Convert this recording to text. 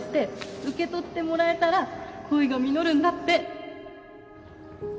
受け取ってもらえたら恋が実るんだって